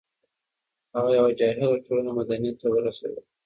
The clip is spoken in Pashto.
هغه یوه جاهله ټولنه مدنیت ته ورسوله.